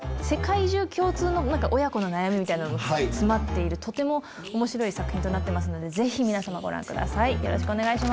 世界中共通の親子の悩みみたいなのも詰まっている、とてもおもしろい作品となっていますので、ぜひ皆様ご覧ください。